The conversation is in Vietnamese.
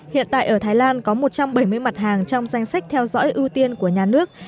hiện tại ở thái lan có một trăm bảy mươi mặt hàng trong danh sách theo dõi ưu tiên của nhà nước